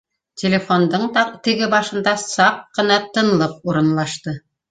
Телефондың теге башында саҡ ҡына тынлыҡ урынлаш ты